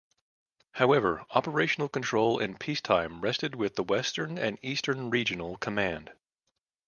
However operational control in peacetime rested with the Western and the Eastern Regional Command.